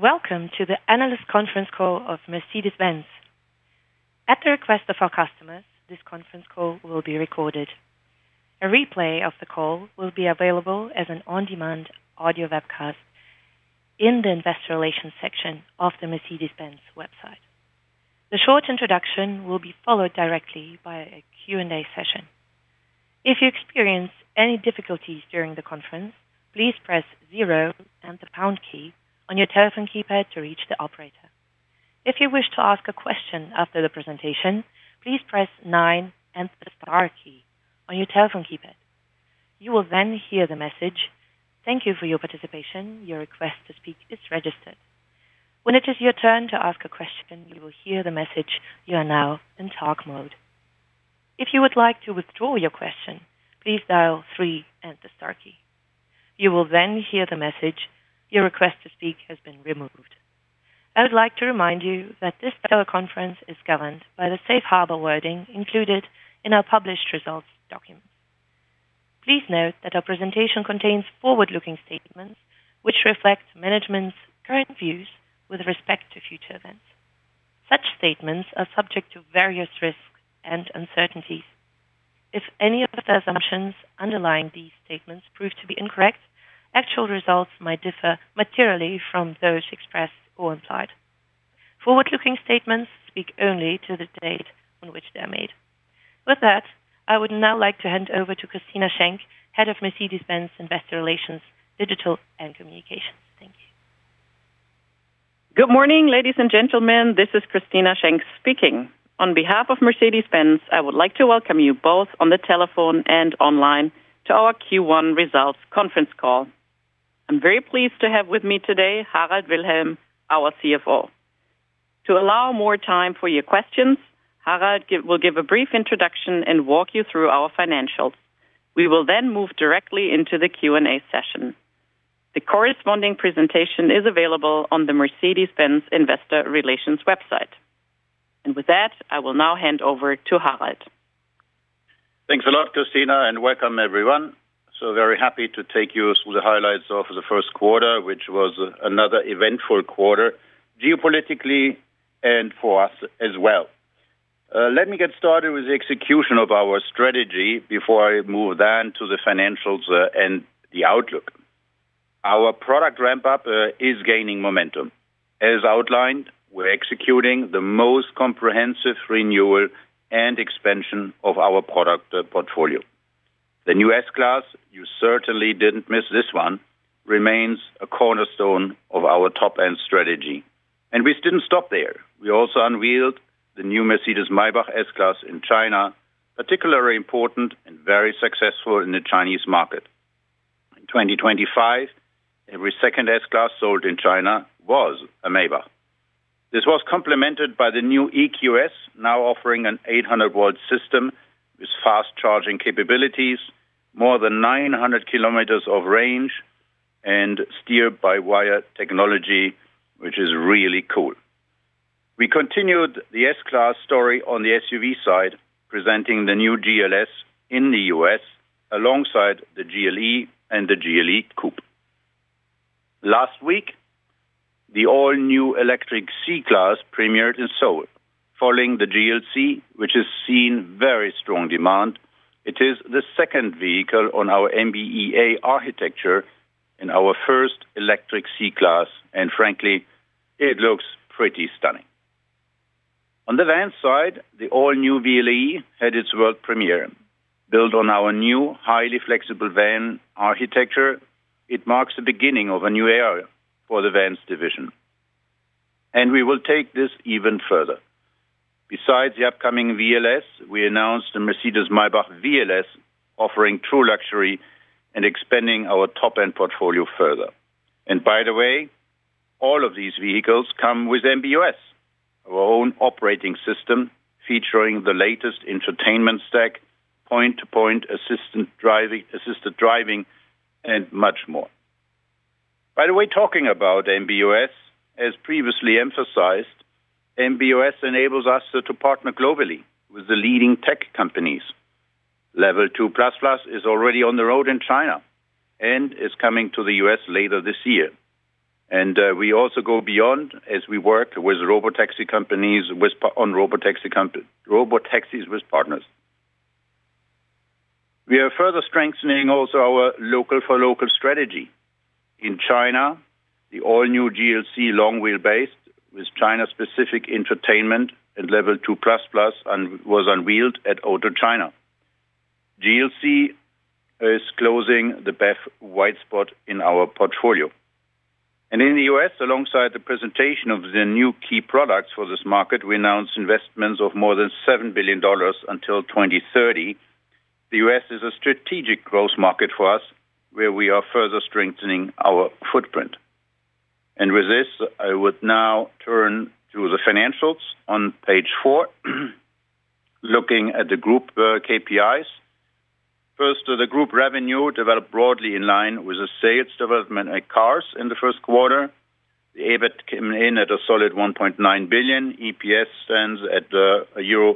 Welcome to the analyst conference call of Mercedes-Benz. At the request of our customers, this conference call will be recorded. A replay of the call will be available as an on-demand audio webcast in the investor relations section of the Mercedes-Benz website. The short introduction will be followed directly by a Q&A session. If you experience any difficulties during the conference, please press zero and the pound key on your telephone keypad to reach the operator. If you wish to ask a question after the presentation, please press nine and the star key on your telephone keypad. You will then hear the message, "Thank you for your participation. Your request to speak is registered." When it is your turn to ask a question, you will hear the message, "You are now in talk mode." If you would like to withdraw your question, please dial three and the star key. You will then hear the message, "Your request to speak has been removed". I would like to remind you that this teleconference is governed by the safe harbor wording included in our published results documents. Please note that our presentation contains forward-looking statements which reflect management's current views with respect to future events. Such statements are subject to various risks and uncertainties. If any of the assumptions underlying these statements prove to be incorrect, actual results might differ materially from those expressed or implied. Forward-looking statements speak only to the date on which they are made. With that, I would now like to hand over to Christina Schenck, Head of Mercedes-Benz Group Investor Relations, Digital and Communications. Thank you. Good morning, ladies and gentlemen. This is Christina Schenck speaking. On behalf of Mercedes-Benz, I would like to welcome you both on the telephone and online to our Q1 results conference call. I'm very pleased to have with me today Harald Wilhelm, our CFO. To allow more time for your questions, Harald will give a brief introduction and walk you through our financials. We will then move directly into the Q&A session. The corresponding presentation is available on the Mercedes-Benz investor relations website. With that, I will now hand over to Harald. Thanks a lot, Christina, and welcome everyone. Very happy to take you through the highlights of the first quarter, which was another eventful quarter, geopolitically and for us as well. Let me get started with the execution of our strategy before I move then to the financials and the outlook. Our product ramp-up is gaining momentum. As outlined, we're executing the most comprehensive renewal and expansion of our product portfolio. The new S-Class, you certainly didn't miss this one, remains a cornerstone of our top-end strategy. We didn't stop there. We also unveiled the new Mercedes-Maybach S-Class in China, particularly important and very successful in the Chinese market. In 2025, every second S-Class sold in China was a Maybach. This was complemented by the new EQS, now offering an 80-volt system with fast-charging capabilities, more than 900 km of range, and steer-by-wire technology, which is really cool. We continued the S-Class story on the SUV side, presenting the new GLS in the U.S. alongside the GLE and the GLE Coupé. Last week, the all-new electric C-Class premiered in Seoul. Following the GLC, which has seen very strong demand, it is the second vehicle on our MB.EA architecture and our first electric C-Class, and frankly, it looks pretty stunning. On the van side, the all-new VLE had its world premiere. Built on our new, highly flexible van architecture, it marks the beginning of a new era for the vans division. We will take this even further. Besides the upcoming VLS, we announced the Mercedes-Maybach VLS, offering true luxury and expanding our top-end portfolio further. By the way, all of these vehicles come with MB.OS, our own operating system, featuring the latest entertainment stack, assisted driving, and much more. By the way, talking about MB.OS, as previously emphasized, MB.OS enables us to partner globally with the leading tech companies. Level 2++ is already on the road in China and is coming to the U.S. later this year. We also go beyond as we work with robotaxi companies with robotaxis with partners. We are further strengthening also our local-for-local strategy. In China, the all-new GLC long wheelbase with China-specific entertainment and Level 2++ was unveiled at Auto China. GLC is closing the BEV white spot in our portfolio. In the U.S., alongside the presentation of the new key products for this market, we announced investments of more than $7 billion until 2030. The U.S. is a strategic growth market for us, where we are further strengthening our footprint. With this, I would now turn to the financials on page 4, looking at the group KPIs. First, the group revenue developed broadly in line with the sales development at cars in the first quarter. The EBIT came in at a solid 1.9 billion. EPS stands at euro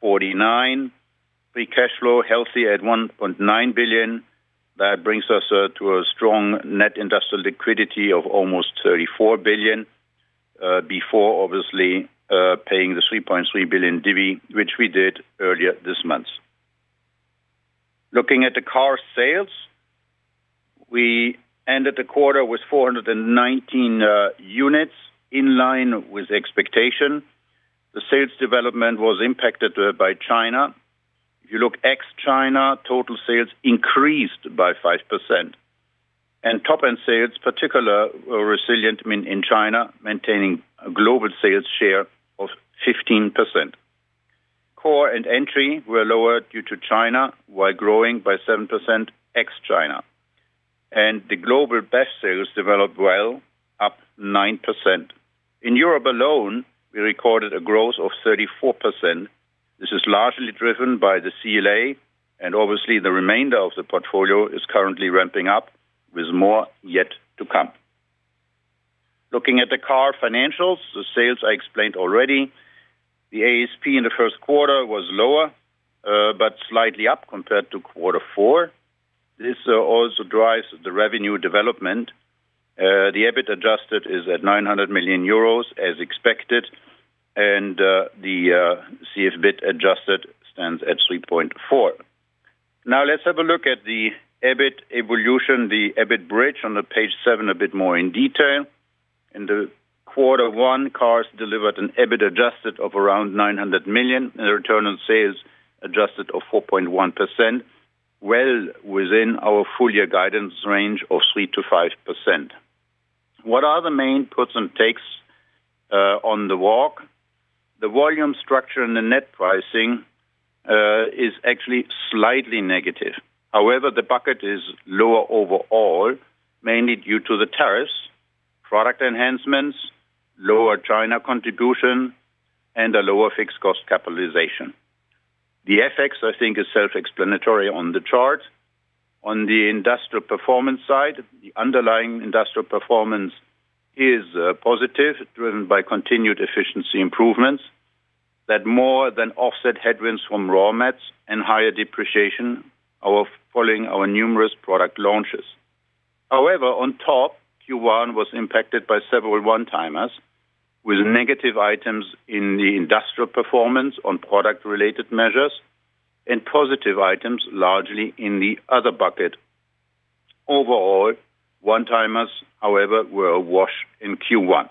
0.49. Free cash flow healthy at 1.9 billion. That brings us to a strong net industrial liquidity of almost 34 billion, before obviously paying the 3.3 billion divvy, which we did earlier this month. Looking at the car sales, we ended the quarter with 419 units, in line with expectation. The sales development was impacted by China. If you look ex-China, total sales increased by 5%. Top-end sales particular were resilient in China, maintaining a global sales share of 15%. Core and entry were lower due to China, while growing by 7% ex-China. The global best sales developed well, up 9%. In Europe alone, we recorded a growth of 34%. This is largely driven by the CLA, obviously the remainder of the portfolio is currently ramping up, with more yet to come. Looking at the car financials, the sales I explained already. The ASP in the first quarter was lower, but slightly up compared to quarter four. This also drives the revenue development. The EBIT adjusted is at 900 million euros as expected, and, the CFBIT adjusted stands at 3.4 billion. Now let's have a look at the EBIT evolution, the EBIT bridge on page 7 a bit more in detail. In quarter one, cars delivered an EBIT adjusted of around 900 million, and the return on sales adjusted of 4.1%, well within our full year guidance range of 3%-5%. What are the main puts and takes on the walk? The volume structure and the net pricing is actually slightly negative. However, the bucket is lower overall, mainly due to the tariffs, product enhancements, lower China contribution, and a lower fixed cost capitalization. The FX, I think is self-explanatory on the chart. On the industrial performance side, the underlying industrial performance is positive, driven by continued efficiency improvements that more than offset headwinds from raw mats and higher depreciation following our numerous product launches. However, on top, Q1 was impacted by several one-timers with negative items in the industrial performance on product-related measures and positive items largely in the other bucket. Overall, one-timers, however, were a wash in Q1.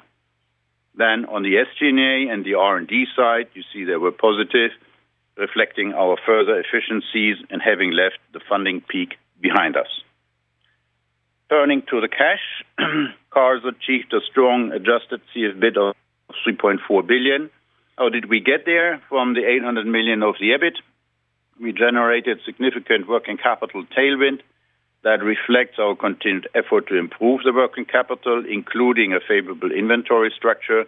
On the SG&A and the R&D side, you see they were positive, reflecting our further efficiencies and having left the funding peak behind us. Turning to the cash, Cars achieved a strong adjusted CFBIT of 3.4 billion. How did we get there? From the 800 million of the EBIT, we generated significant working capital tailwind that reflects our continued effort to improve the working capital, including a favorable inventory structure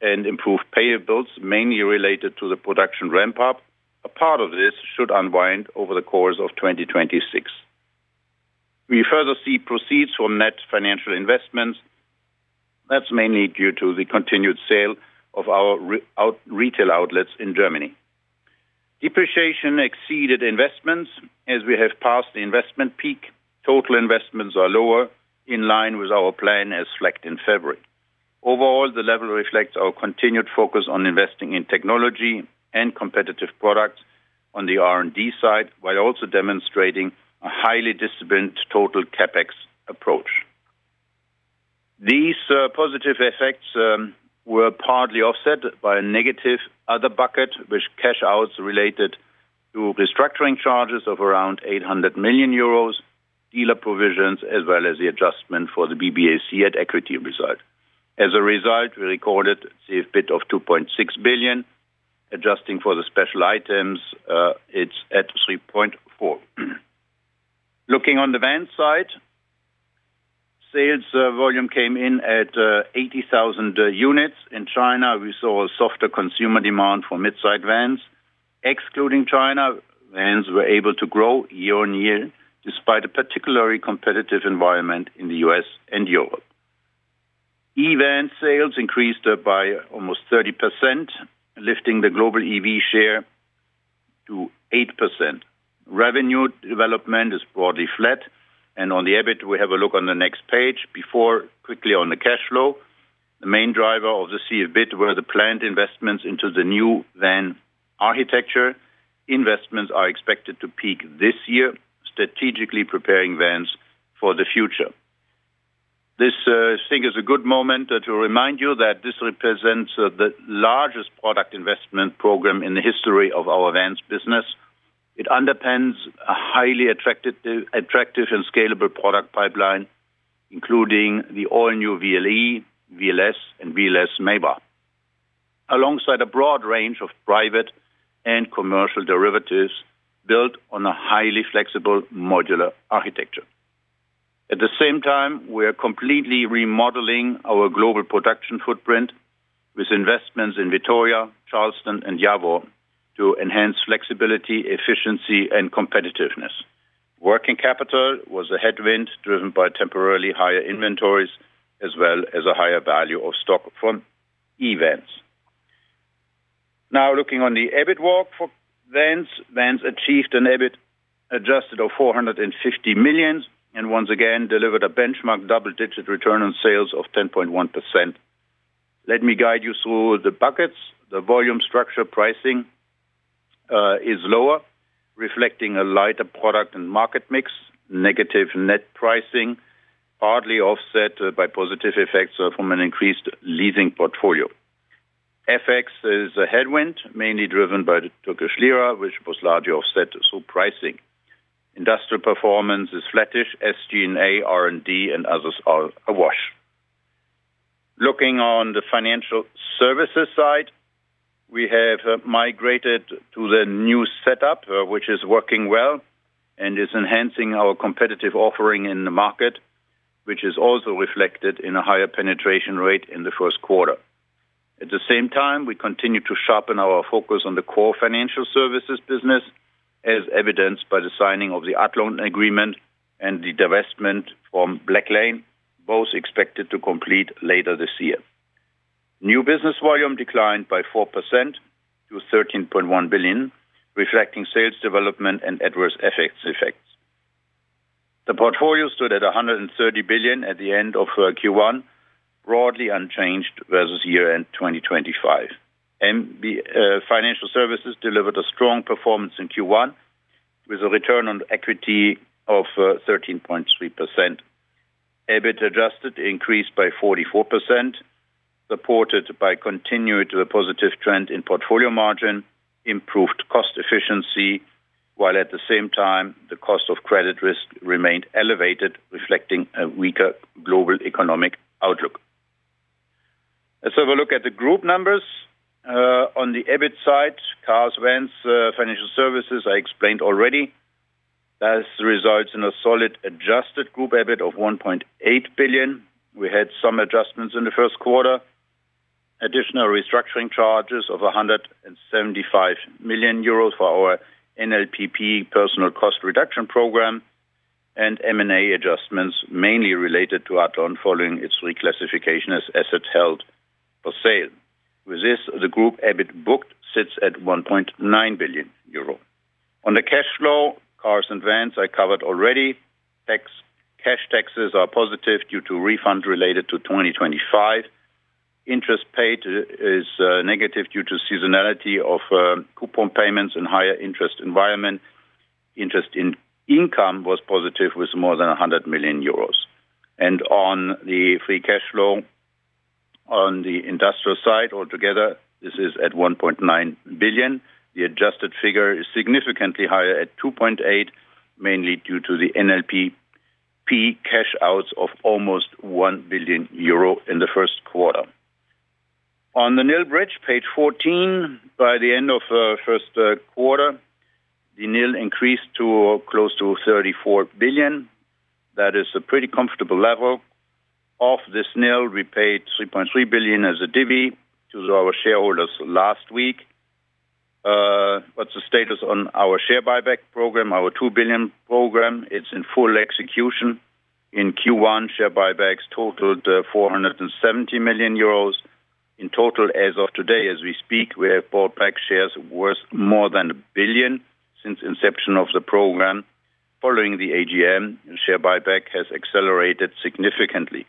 and improved payables, mainly related to the production ramp-up. A part of this should unwind over the course of 2026. We further see proceeds from net financial investments. That's mainly due to the continued sale of our retail outlets in Germany. Depreciation exceeded investments. As we have passed the investment peak, total investments are lower, in line with our plan as selected in February. Overall, the level reflects our continued focus on investing in technology and competitive products on the R&D side, while also demonstrating a highly disciplined total CapEx approach. These positive effects were partly offset by a negative other bucket, which cash outs related to restructuring charges of around 800 million euros, dealer provisions, as well as the adjustment for the BBAC at equity result. As a result, we recorded CFBIT of 2.6 billion. Adjusting for the special items, it's at 3.4 billion. Looking on the van side, sales volume came in at 80,000 units. In China, we saw a softer consumer demand for mid-size vans. Excluding China, vans were able to grow year-on-year despite a particularly competitive environment in the U.S. and Europe. E-van sales increased by almost 30%, lifting the global EV share to 8%. Revenue development is broadly flat, and on the EBIT, we have a look on the next page. Before, quickly on the cash flow, the main driver of the CFBIT were the planned investments into the new van architecture. Investments are expected to peak this year, strategically preparing vans for the future. This, I think, is a good moment to remind you that this represents the largest product investment program in the history of our vans business. It underpins a highly attractive and scalable product pipeline, including the all-new VLE, VLS, and VLS Maybach, alongside a broad range of private and commercial derivatives built on a highly flexible modular architecture. At the same time, we are completely remodeling our global production footprint with investments in Vitoria, Charleston, and Jawor to enhance flexibility, efficiency, and competitiveness. Working capital was a headwind driven by temporarily higher inventories as well as a higher value of stock from events. Looking on the EBIT walk for Vans. Vans achieved an EBIT adjusted of 450 million, and once again delivered a benchmark double-digit return on sales of 10.1%. Let me guide you through the buckets. The volume structure pricing is lower, reflecting a lighter product and market mix, negative net pricing, hardly offset by positive effects from an increased leasing portfolio. FX is a headwind, mainly driven by the Turkish lira, which was largely offset through pricing. Industrial performance is flattish, SG&A, R&D and others are awash. Looking on the financial services side, we have migrated to the new setup, which is working well and is enhancing our competitive offering in the market, which is also reflected in a higher penetration rate in the first quarter. At the same time, we continue to sharpen our focus on the core financial services business, as evidenced by the signing of the Athlon agreement and the divestment from Blacklane, both expected to complete later this year. New business volume declined by 4% to 13.1 billion, reflecting sales development and adverse FX effects. The portfolio stood at 130 billion at the end of Q1, broadly unchanged versus year-end 2025. The financial services delivered a strong performance in Q1 with a return on equity of 13.3%. EBIT adjusted increased by 44%, supported by continued positive trend in portfolio margin, improved cost efficiency, while at the same time the cost of credit risk remained elevated, reflecting a weaker global economic outlook. Let's have a look at the group numbers. On the EBIT side, Cars, Vans, Financial Services, I explained already. That results in a solid adjusted group EBIT of 1.8 billion. We had some adjustments in the first quarter. Additional restructuring charges of 175 million euros for our NLPP personal cost reduction program and M&A adjustments mainly related to Athlon following its reclassification as assets held for sale. With this, the group EBIT booked sits at 1.9 billion euro. On the cash flow, Cars and Vans I covered already. Cash taxes are positive due to refund related to 2025. Interest paid is negative due to seasonality of coupon payments and higher interest environment. Interest income was positive with more than 100 million euros. On the free cash flow, on the industrial side altogether, this is at 1.9 billion. The adjusted figure is significantly higher at 2.8 billion, mainly due to the NLPP cash outs of almost 1 billion euro in the first quarter. On the NIL bridge, page 14, by the end of the first quarter, the NIL increased to close to 34 billion. That is a pretty comfortable level. Of this NIL, we paid 3.3 billion as a divvy to our shareholders last week. What's the status on our share buyback program, our 2 billion program? It's in full execution. In Q1, share buybacks totaled 470 million euros. In total, as of today, as we speak, we have bought back shares worth more than 1 billion since inception of the program. Following the AGM, share buyback has accelerated significantly.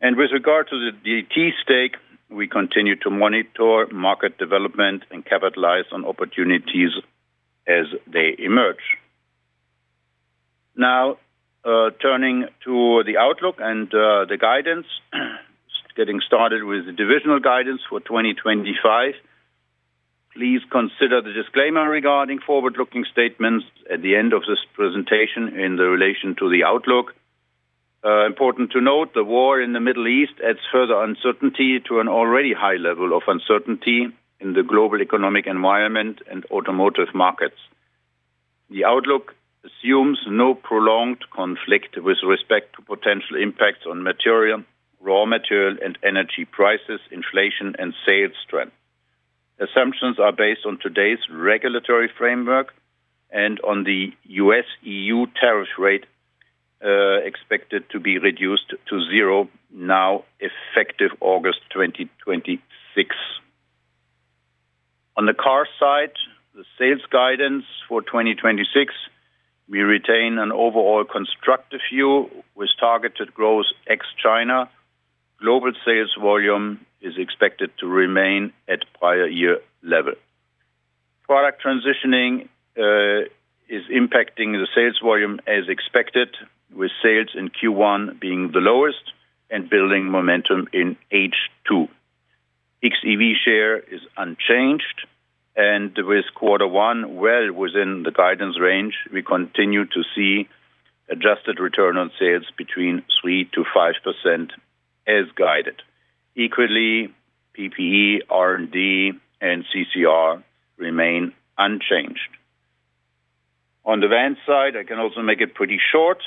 With regard to the DT stake, we continue to monitor market development and capitalize on opportunities as they emerge. Now, turning to the outlook and the guidance. Getting started with the divisional guidance for 2025. Please consider the disclaimer regarding forward-looking statements at the end of this presentation in the relation to the outlook. Important to note, the war in the Middle East adds further uncertainty to an already high level of uncertainty in the global economic environment and automotive markets. The outlook assumes no prolonged conflict with respect to potential impacts on material, raw material, and energy prices, inflation, and sales trend. Assumptions are based on today's regulatory framework and on the U.S.-EU tariff rate expected to be reduced to zero now effective August 2026. The car side, the sales guidance for 2026, we retain an overall constructive view with targeted growth ex-China. Global sales volume is expected to remain at prior year level. Product transitioning is impacting the sales volume as expected, with sales in Q1 being the lowest and building momentum in H2. xEV share is unchanged. With Q1 well within the guidance range, we continue to see adjusted return on sales between 3%-5% as guided. PP&E, R&D, and CCR remain unchanged. The Vans side, I can also make it pretty short.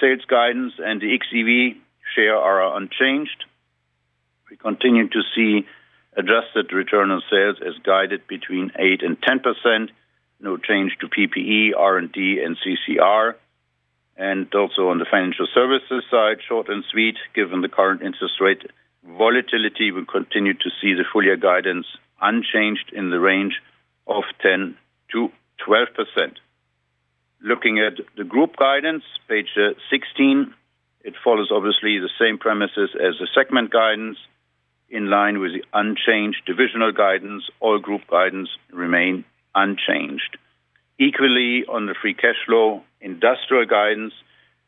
Sales guidance and the xEV share are unchanged. We continue to see adjusted return on sales as guided between 8% and 10%. No change to PP&E, R&D, and CCR. Also on the financial services side, short and sweet, given the current interest rate volatility, we continue to see the full-year guidance unchanged in the range of 10%-12%. Looking at the group guidance, page 16, it follows obviously the same premises as the segment guidance. In line with the unchanged divisional guidance, all group guidance remain unchanged. Equally, on the free cash flow industrial guidance,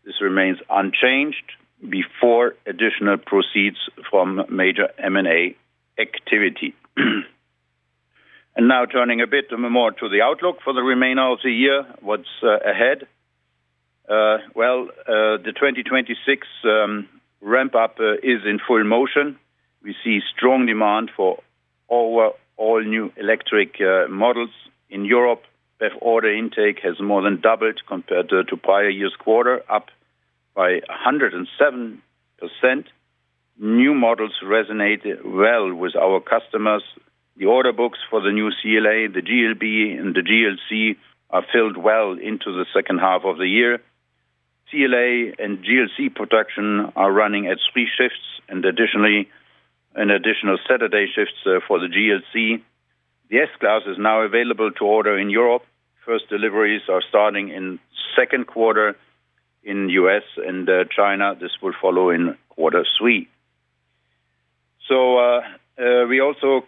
this remains unchanged before additional proceeds from major M&A activity. Now turning a bit more to the outlook for the remainder of the year. What's ahead. Well, the 2026 ramp- up is in full motion. We see strong demand for our all new electric models. In Europe, that order intake has more than doubled compared to prior year's quarter, up by 107%. New models resonate well with our customers. The order books for the new CLA, the GLB, and the GLC are filled well into the second half of the year. CLA and GLC production are running at three shifts, and additionally, an additional Saturday shifts for the GLC. The S-Class is now available to order in Europe. First deliveries are starting in second quarter in U.S., and China, this will follow in quarter 3. We also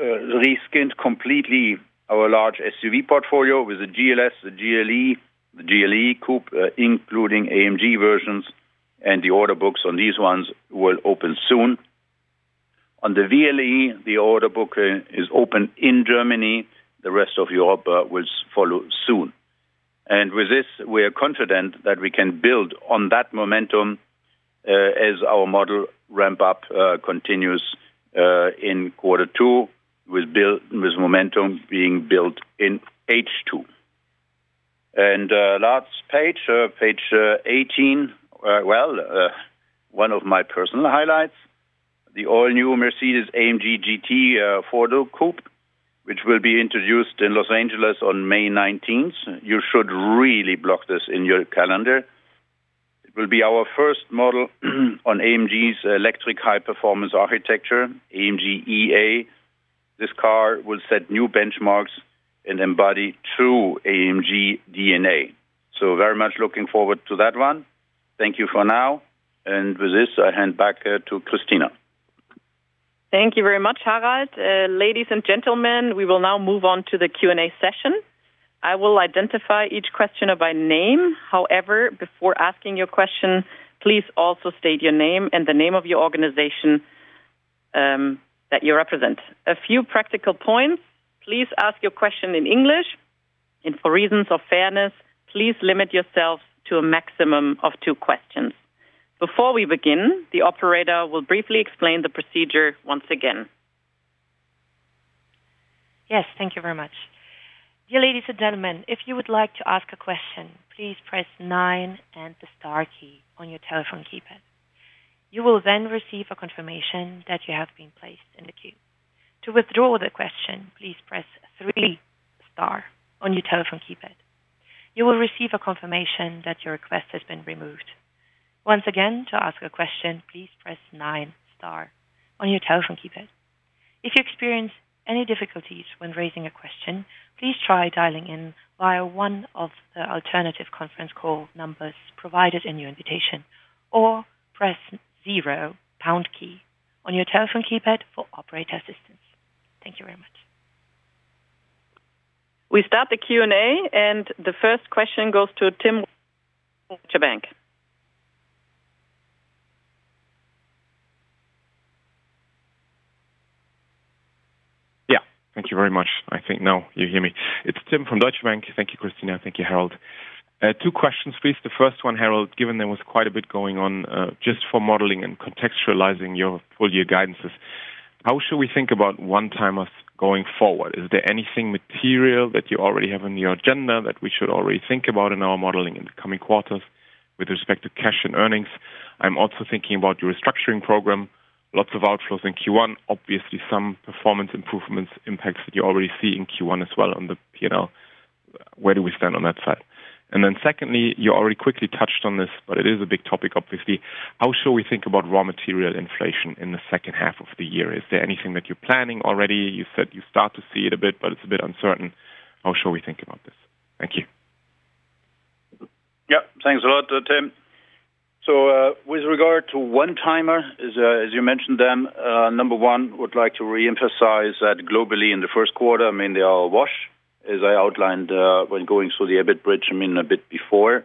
reskinned completely our large SUV portfolio with the GLS, the GLE, the GLE Coupé, including AMG versions, and the order books on these ones will open soon. On the VLE, the order book is open in Germany. The rest of Europe will follow soon. With this, we are confident that we can build on that momentum, as our model ramp-up continues in quarter two, with momentum being built in H2. Last page 18. One of my personal highlights, the all-new Mercedes-AMG GT 4-Door Coupé, which will be introduced in Los Angeles on May 19th. You should really block this in your calendar. It will be our first model on AMG's electric high-performance architecture, AMG.EA. This car will set new benchmarks and embody true AMG DNA. Very much looking forward to that one. Thank you for now. With this, I hand back to Christina. Thank you very much, Harald. Ladies and gentlemen, we will now move on to the Q&A session. I will identify each questioner by name. However, before asking your question, please also state your name and the name of your organization that you represent. A few practical points. Please ask your question in English. For reasons of fairness, please limit yourself to a maximum of two questions. Before we begin, the operator will briefly explain the procedure once again. Yes, thank you very much. Dear ladies and gentlemen, if you would like to ask a question, please press nine and the star key on your telephone keypad. You will then receive a confirmation that you have been placed in the queue. To withdraw the question, please press three star on your telephone keypad. You will receive a confirmation that your request has been removed. Once again, to ask a question, please press nine star on your telephone keypad. If you experience any difficulties when raising a question, please try dialing in via one of the alternative conference call numbers provided in your invitation, or press zero pound key on your telephone keypad for operator assistance. Thank you very much. We start the Q&A, and the first question goes to Tim from Deutsche Bank. Yeah. Thank you very much. I think now you hear me. It's Tim from Deutsche Bank. Thank you, Christina. Thank you, Harald. Two questions, please. The first one, Harald, given there was quite a bit going on, just for modeling and contextualizing your full-year guidances, how should we think about one-timers going forward? Is there anything material that you already have on your agenda that we should already think about in our modeling in the coming quarters with respect to cash and earnings? I'm also thinking about your restructuring program. Lots of outflows in Q1. Obviously, some performance improvements impacts that you already see in Q1 as well on the P&L. Where do we stand on that side? Secondly, you already quickly touched on this, but it is a big topic, obviously. How should we think about raw material inflation in the second half of the year? Is there anything that you're planning already? You said you start to see it a bit, but it's a bit uncertain. How should we think about this? Thank you. Yeah. Thanks a lot, Tim. With regard to one-timers, as you mentioned them, number one, would like to reemphasize that globally in the first quarter, I mean, they all wash, as I outlined, when going through the EBIT bridge, I mean, a bit before.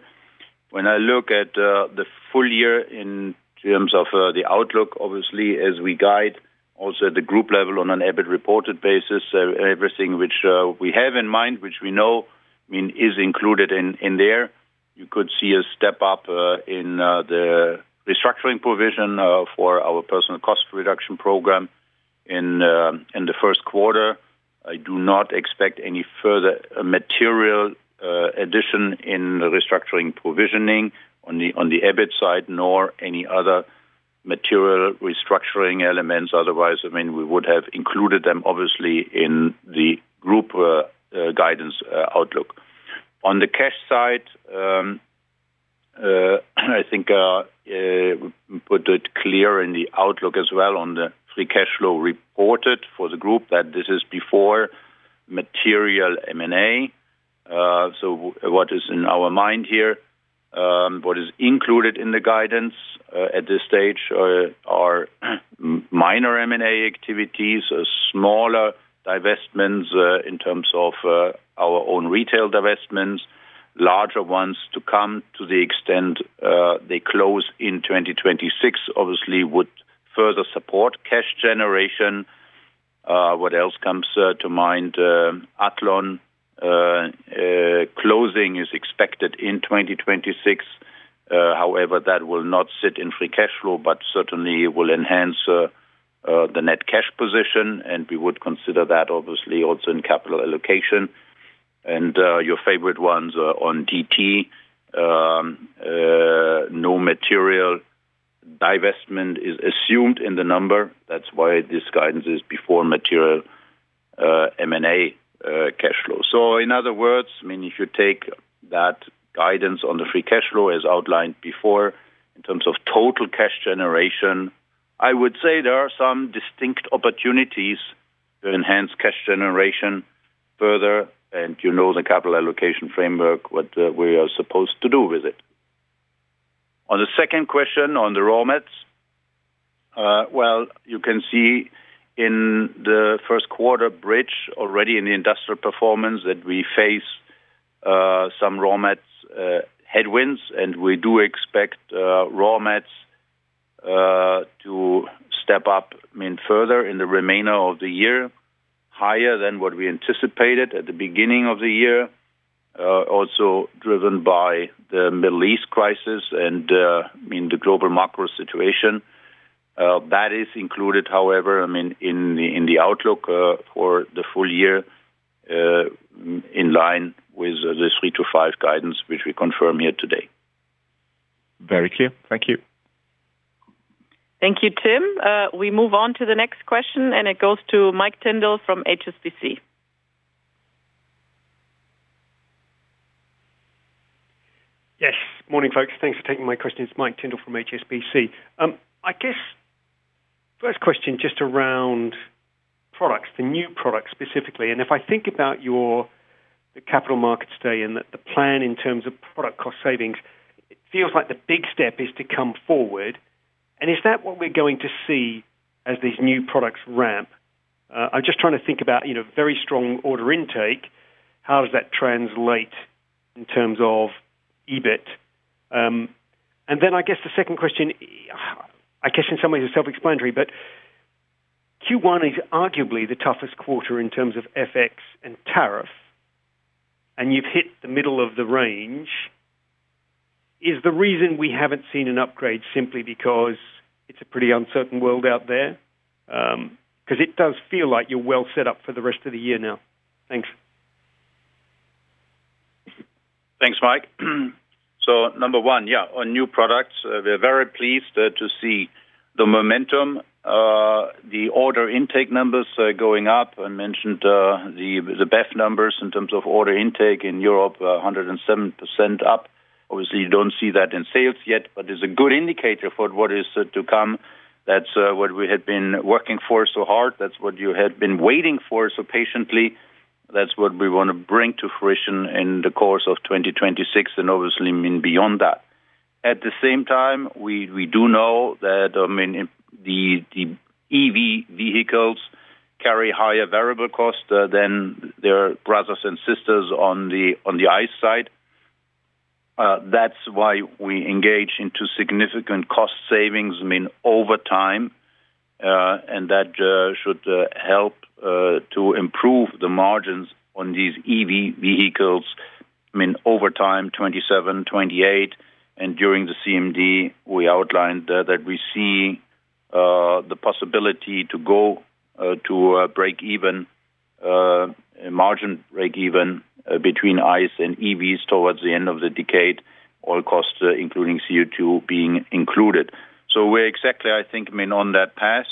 When I look at the full year in terms of the outlook, obviously, as we guide also at the group level on an EBIT reported basis, everything which we have in mind, which we know, I mean, is included in there. You could see a step-up in the restructuring provision for our personal cost reduction program. In the first quarter, I do not expect any further material addition in the restructuring provisioning on the, on the EBIT side, nor any other material restructuring elements. Otherwise, I mean, we would have included them obviously in the group guidance outlook. On the cash side, I think, we put it clear in the outlook as well on the free cash flow reported for the group that this is before material M&A. What is in our mind here, what is included in the guidance at this stage, are minor M&A activities, smaller divestments, in terms of our own retail divestments. Larger ones to come to the extent they close in 2026 obviously, would further support cash generation. What else comes to mind? Athlon closing is expected in 2026. However, that will not sit in free cash flow, but certainly will enhance the net cash position, and we would consider that obviously also in capital allocation. Your favorite ones on DT, no material divestment is assumed in the number. That's why this guidance is before material M&A cash flow. In other words, I mean, if you take that guidance on the free cash flow as outlined before in terms of total cash generation, I would say there are some distinct opportunities to enhance cash generation further, and you know the capital allocation framework, what we are supposed to do with it. On the second question, on the raw mats, well, you can see in the first quarter bridge already in the industrial performance that we face, some raw mats, headwinds, and we do expect raw mats to step up, I mean, further in the remainder of the year, higher than what we anticipated at the beginning of the year, also driven by the Middle East crisis and, I mean, the global macro situation. That is included, however, I mean, in the outlook for the full year, in line with the 3%-5% guidance, which we confirm here today. Very clear. Thank you. Thank you, Tim. We move on to the next question, and it goes to Mike Tyndall from HSBC. Yes. Morning, folks. Thanks for taking my questions. Mike Tyndall from HSBC. I guess first question just around products, the new products specifically. If I think about your, the capital markets day and the plan in terms of product cost savings, it feels like the big step is to come forward. Is that what we're going to see as these new products ramp? I'm just trying to think about, you know, very strong order intake. How does that translate in terms of EBIT? I guess the second question, I guess in some ways it's self-explanatory, but Q1 is arguably the toughest quarter in terms of FX and tariff, and you've hit the middle of the range. Is the reason we haven't seen an upgrade simply because it's a pretty uncertain world out there? 'Cause it does feel like you're well set up for the rest of the year now. Thanks. Thanks, Mike. Number 1, yeah, on new products, we're very pleased to see the momentum. The order intake numbers are going up. I mentioned the BEV numbers in terms of order intake in Europe, 107% up. Obviously, you don't see that in sales yet, but it's a good indicator for what is to come. That's what we had been working for so hard. That's what you had been waiting for so patiently. That's what we wanna bring to fruition in the course of 2026, and obviously, I mean, beyond that. At the same time, we do know that, I mean, the EV vehicles carry higher variable cost than their brothers and sisters on the ICE side. That's why we engage into significant cost savings, I mean, over time, and that should help to improve the margins on these EV vehicles, I mean, over time, 2027, 2028. During the CMD, we outlined that we see the possibility to go to a break even margin break even between ICE and EVs towards the end of the decade, all costs, including CO2, being included. We're exactly, I think, I mean, on that path.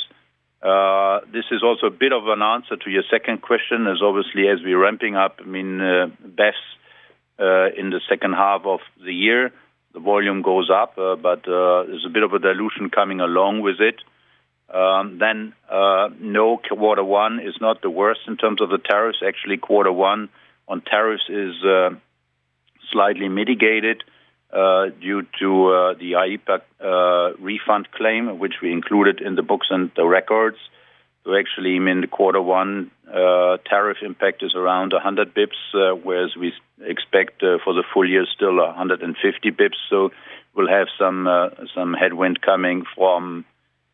This is also a bit of an answer to your second question as obviously as we're ramping up, I mean, BEVs in the second half of the year. The volume goes up, but there's a bit of a dilution coming along with it. No, quarter one is not the worst in terms of the tariffs. Actually, quarter one on tariffs is slightly mitigated due to the IPAC refund claim, which we included in the books and the records. Actually, I mean, the Q1 tariff impact is around 100 basis points, whereas we expect for the full year still 150 basis points. We'll have some headwind coming from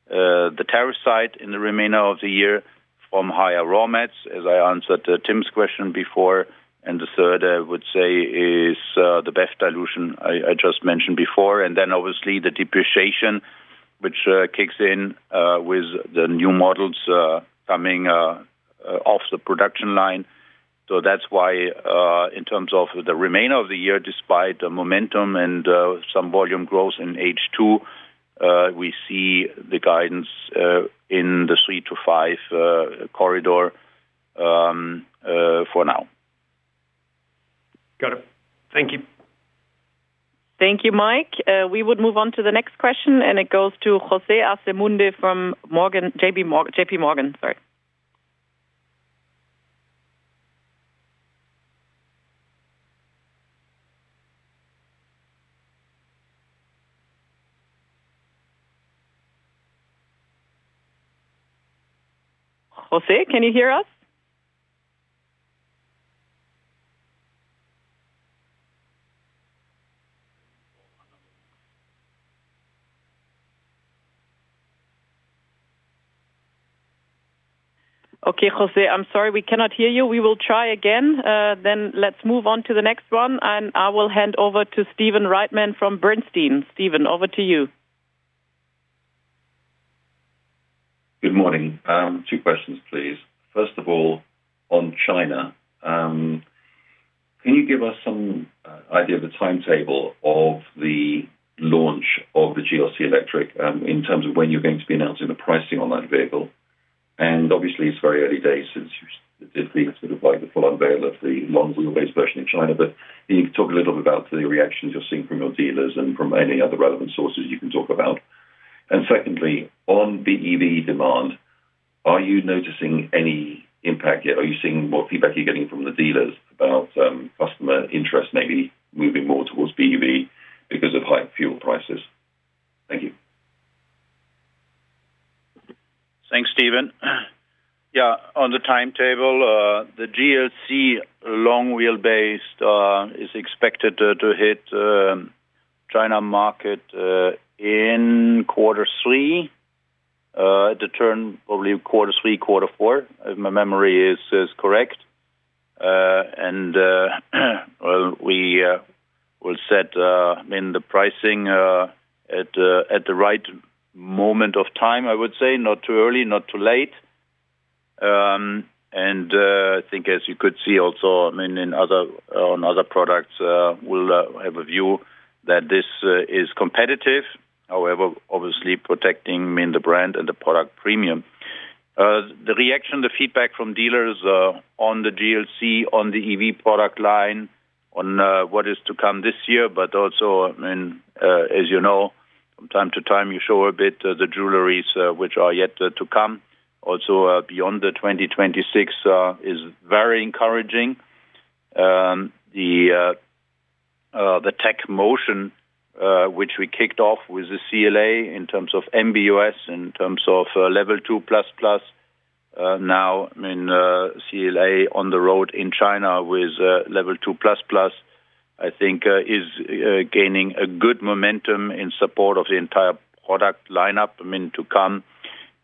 the tariff side in the remainder of the year. From higher raw mats, as I answered Tim's question before, and the third, I would say, is the BEV dilution I just mentioned before, and then obviously the depreciation which kicks in with the new models coming off the production line. That's why, in terms of the remainder of the year, despite the momentum and some volume growth in H2, we see the guidance in the 3-5 corridor for now. Got it. Thank you. Thank you, Mike. We would move on to the next question. It goes to Jose Asumendi from JPMorgan. Sorry. Jose, can you hear us? Okay, Jose, I'm sorry we cannot hear you. We will try again. Let's move on to the next one, and I will hand over to Stephen Reitman from Bernstein. Stephen, over to you. Good morning. Two questions, please. First of all, on China, can you give us some idea of the timetable of the launch of the GLC Electric in terms of when you're going to be announcing the pricing on that vehicle? Obviously, it's very early days since you did the sort of, like, the full unveil of the long wheelbase version in China. Can you talk a little bit about the reactions you're seeing from your dealers and from any other relevant sources you can talk about? Secondly, on BEV demand, are you noticing any impact yet? Are you seeing what feedback you're getting from the dealers about customer interest maybe moving more towards BEV because of high fuel prices? Thank you. Thanks, Stephen. Yeah, on the timetable, the GLC long wheelbase is expected to hit China market in quarter three, to turn probably quarter three, quarter four, if my memory is correct. Well, we will set in the pricing at the right moment of time, I would say, not too early, not too late. I think as you could see also, I mean, on other products, we'll have a view that this is competitive, however, obviously protecting, I mean, the brand and the product premium. The reaction, the feedback from dealers on the GLC, on the EV product line, on what is to come this year, but also, as you know, from time to time, you show a bit thejewelry which are yet to come, also beyond 2026, is very encouraging. The tech motion which we kicked off with the CLA in terms of MB.OS, in terms of level 2++, now, I mean, CLA on the road in China with level 2++, I think is gaining a good momentum in support of the entire product lineup, I mean, to come.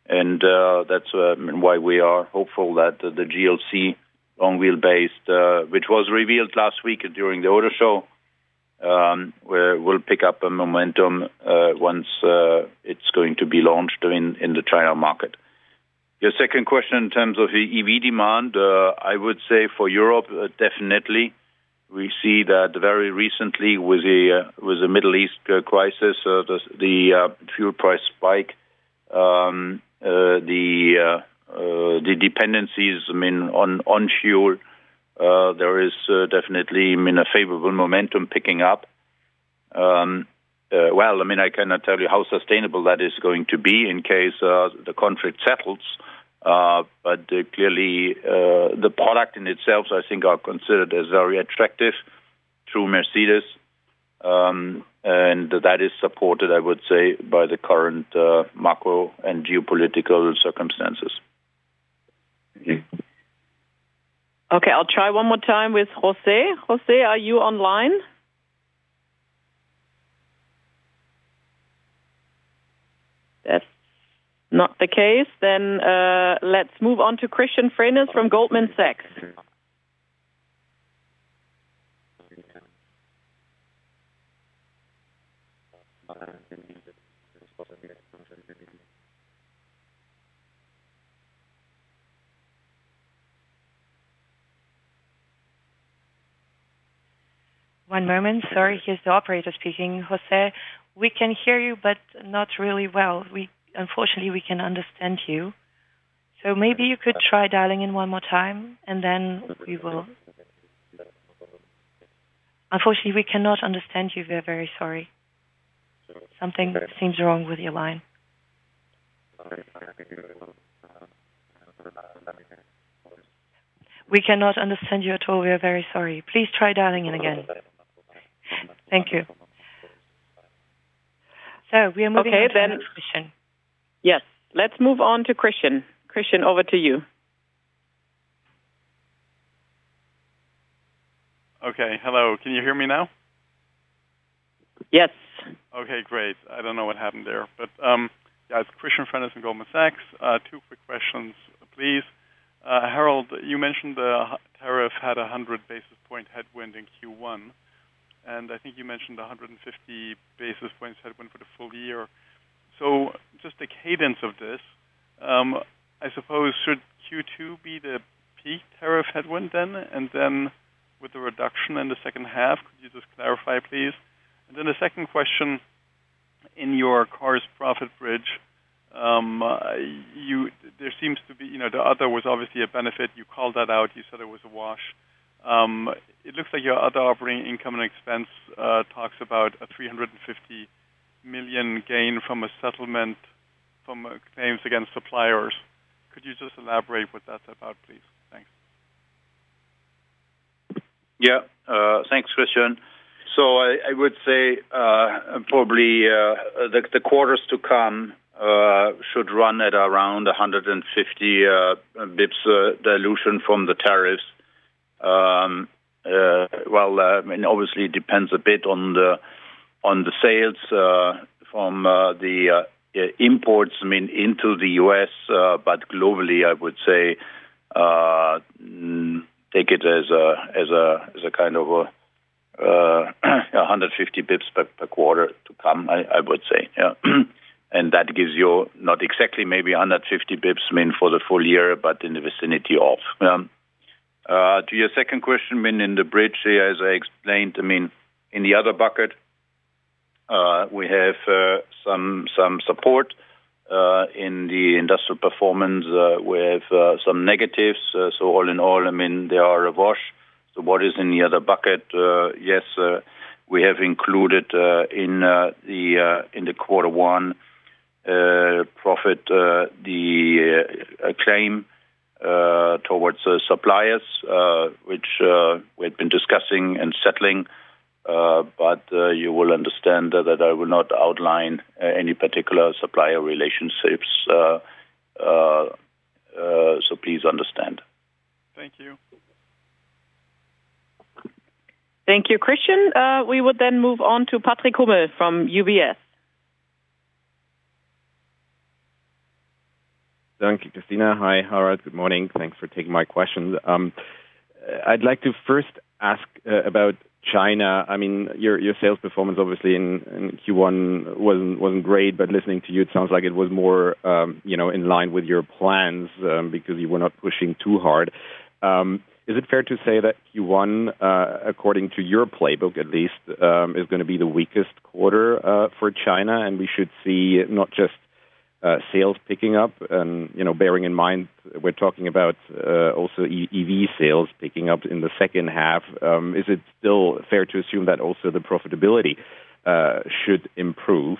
That's, I mean, why we are hopeful that the GLC long wheelbase, which was revealed last week during the auto show, will pick up a momentum once it's going to be launched in the China market. Your second question in terms of EV demand, I would say for Europe, definitely we see that very recently with the Middle East crisis, the fuel price spike, the dependencies, I mean, on fuel, there is definitely, I mean, a favorable momentum picking up. Well, I mean, I cannot tell you how sustainable that is going to be in case the conflict settles. Clearly, the product in itself, I think, are considered as very attractive through Mercedes, and that is supported, I would say, by the current, macro and geopolitical circumstances. Thank you. Okay. I'll try one more time with Jose. Jose, are you online? That's not the case. Let's move on to Christian Frenes from Goldman Sachs. One moment. Sorry. Here's the operator speaking. Jose, we can hear you, but not really well. Unfortunately, we cannot understand you. Maybe you could try dialing in one more time, and then we will. Unfortunately, we cannot understand you. We are very sorry. Something seems wrong with your line. We cannot understand you at all. We are very sorry. Please try dialing in again. Thank you. We are moving on to Christian. Okay. Yes. Let's move on to Christian. Christian, over to you. Okay. Hello, can you hear me now? Yes. Okay, great. I don't know what happened there. It's Christian Frenes from Goldman Sachs. Two quick questions, please. Harald, you mentioned the tariff had 100 basis points headwind in Q1, and I think you mentioned 150 basis points headwind for the full year. Just the cadence of this, I suppose should Q2 be the peak tariff headwind then and then with the reduction in the second half? Could you just clarify, please? The second question, in your CARS profit bridge, there seems to be, you know, the other was obviously a benefit. You called that out. You said it was a wash. It looks like your other operating income and expense talks about a 350 million gain from a settlement from claims against suppliers. Could you just elaborate what that's about, please? Thanks. Thanks, Christian. I would say, probably, the quarters to come should run at around 150 basis points dilution from the tariffs. Well, obviously it depends a bit on the sales from the imports, I mean, into the U.S., but globally, I would say, take it as a kind of 150 basis points per quarter to come, I would say. That gives you not exactly maybe 150 basis points, I mean, for the full year, but in the vicinity of. To your second question, I mean, in the bridge here, as I explained, I mean, in the other bucket, we have some support in the industrial performance with some negatives. All in all, I mean, they are a wash. What is in the other bucket? Yes, we have included in the in the quarter one profit the claim towards the suppliers which we had been discussing and settling. You will understand that I will not outline any particular supplier relationships. Please understand. Thank you. Thank you, Christian. We would move on to Patrick Hummel from UBS. Thank you, Christina. Hi, Harald. Good morning. Thanks for taking my questions. I'd like to first ask about China. I mean, your sales performance obviously in Q1 wasn't great, but listening to you, it sounds like it was more, you know, in line with your plans, because you were not pushing too hard. Is it fair to say that Q1, according to your playbook at least, is gonna be the weakest quarter for China, and we should see not just sales picking up and, you know, bearing in mind we're talking about also EV sales picking up in the second half, is it still fair to assume that also the profitability should improve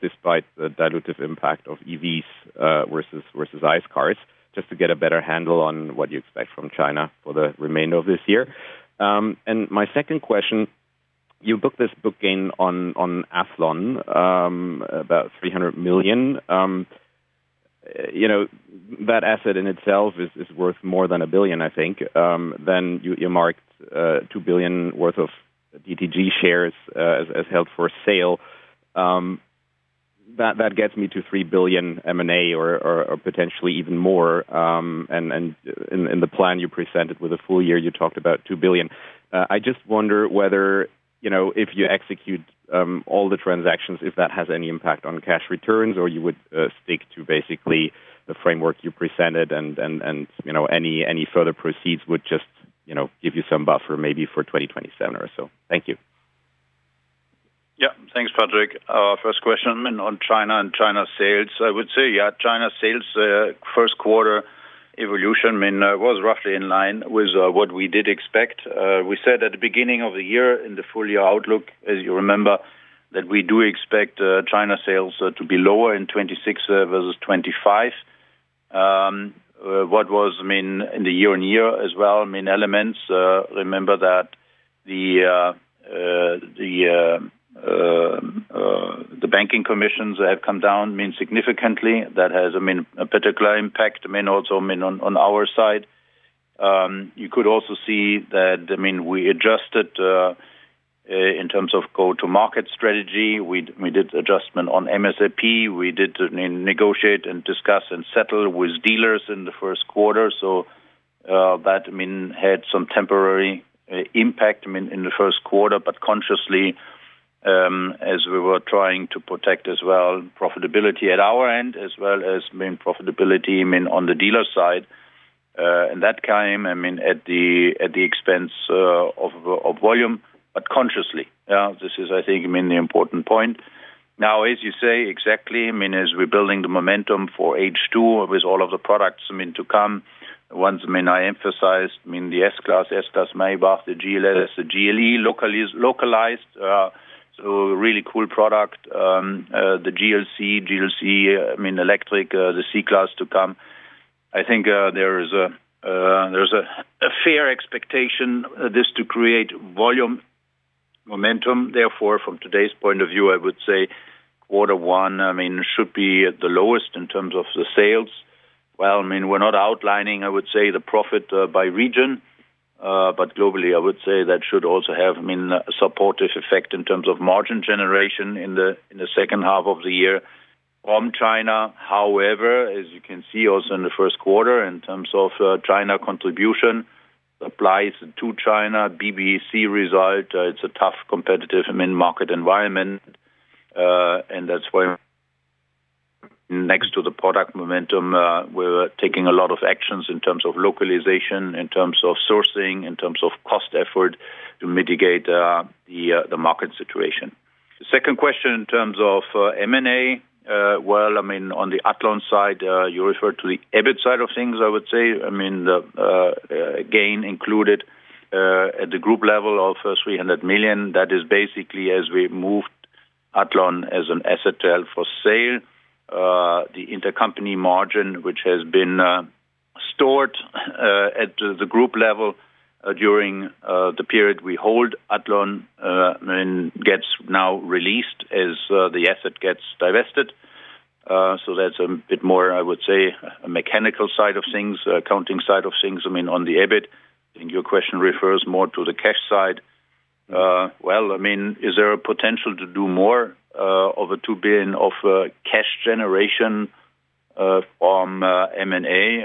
despite the dilutive impact of EVs versus ICE cars, just to get a better handle on what you expect from China for the remainder of this year? My second question, you booked this booking on Athlon, about 300 million. You know, that asset in itself is worth more than 1 billion, I think. Then you marked 2 billion worth of DTG shares as held for sale. That gets me to 3 billion M&A or potentially even more, and in the plan you presented with the full year, you talked about 2 billion. I just wonder whether, you know, if you execute all the transactions, if that has any impact on cash returns or you would stick to basically the framework you presented and, you know, any further proceeds would just, you know, give you some buffer maybe for 2027 or so. Thank you. Thanks, Patrick. First question on China and China sales. I would say, China sales, first quarter evolution, I mean, was roughly in line with what we did expect. We said at the beginning of the year in the full-year outlook, as you remember, that we do expect China sales to be lower in 2026 versus 2025. What was, I mean, in the year and year as well, I mean, elements, remember that the banking commissions have come down, I mean, significantly. That has, I mean, a particular impact, I mean, also, I mean, on our side. You could also see that, I mean, we adjusted in terms of go-to-market strategy. We did adjustment on MSRP. We did negotiate and discuss and settle with dealers in the first quarter. That, I mean, had some temporary impact, I mean, in the first quarter, but consciously, as we were trying to protect as well profitability at our end as well as, I mean, profitability, I mean, on the dealer side. That came, I mean, at the expense of volume, but consciously. This is, I think, I mean, the important point. As you say, exactly, I mean, as we're building the momentum for H2 with all of the products, I mean, to come, ones, I mean, I emphasize, I mean, the S-Class, S-Class Maybach, the GLS, the GLE locally is localized. Really cool product. The GLC, I mean, electric, the C-Class to come. I think, there's a fair expectation, this to create volume momentum. Therefore, from today's point of view, I would say quarter one, I mean, should be at the lowest in terms of the sales. Well, I mean, we're not outlining, I would say, the profit, by region. Globally, I would say that should also have, I mean, a supportive effect in terms of margin generation in the, in the second half of the year from China. However, as you can see also in the first quarter, in terms of, China contribution, supplies to China, BBAC result, it's a tough competitive, I mean, market environment. That's why next to the product momentum, we're taking a lot of actions in terms of localization, in terms of sourcing, in terms of cost effort to mitigate the market situation. The second question in terms of M&A, on the Athlon side, you referred to the EBIT side of things, I would say. The gain included at the group level of 300 million. That is basically as we moved Athlon as an asset sale for sale. The intercompany margin, which has been stored at the group level during the period we hold Athlon, gets now released as the asset gets divested. So that's a bit more, I would say, a mechanical side of things, accounting side of things, I mean, on the EBIT. I think your question refers more to the cash side. Well, I mean, is there a potential to do more, over 2 billion of cash generation from M&A?